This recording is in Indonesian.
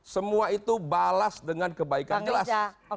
semua itu balas dengan kebaikan jelas